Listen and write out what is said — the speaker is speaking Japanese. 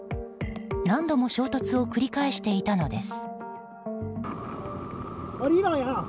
何度も衝突を繰り返していたのです。